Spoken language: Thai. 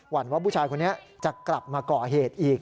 ว่าผู้ชายคนนี้จะกลับมาก่อเหตุอีก